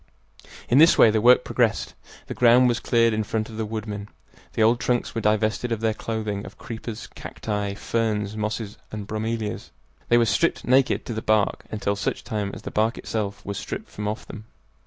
In this way the work progressed. The ground was cleared in front of the woodmen. The old trunks were divested of their clothing of creepers, cacti, ferns, mosses, and bromelias. They were stripped naked to the bark, until such time as the bark itself was stripped from off them.